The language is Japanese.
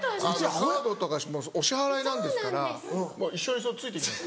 カードとかお支払いなんですから一緒について行きます。